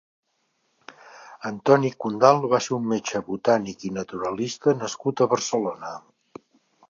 Antoni Condal va ser un metge, botànic i naturalista nascut a Barcelona.